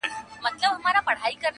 له مودو وروسته پر ښو خوړو مېلمه وو،